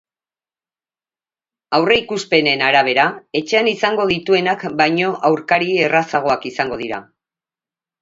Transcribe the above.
Aurreikuspenen arabera, etxean izango dituenak baino aurkari errazagoak izango dira.